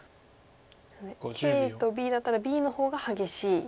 ＡとＢだったらＢの方が激しい。